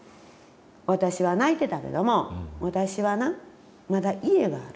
私は泣いてたけども私はなまだ家がある。